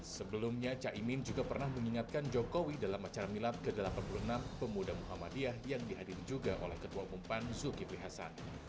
sebelumnya caimin juga pernah mengingatkan jokowi dalam acara milad ke delapan puluh enam pemuda muhammadiyah yang dihadiri juga oleh ketua umum pan zulkifli hasan